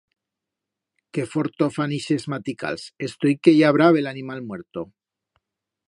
Qué fortor fan ixes maticals, estoi que i habrá bel animal muerto.